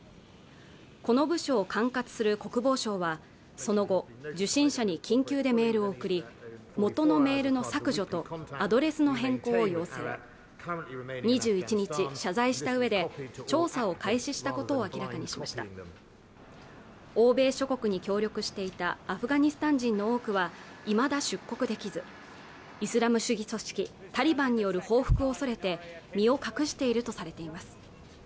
この部署を管轄する国防省はその後受信者に緊急でメールを送り元のメールの削除とアドレスの変更を要請２１日謝罪したうえで調査を開始したことを明らかにしました欧米諸国に協力していたアフガニスタン人の多くはいまだ出国できずイスラム主義組織タリバンによる報復を恐れて身を隠しているとされています